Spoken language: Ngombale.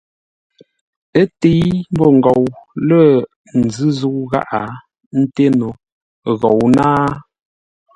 Ə́ təi ḿbó ngou lə̂ nzʉ́ zə̂u gháʼa, ńté no ghou náa.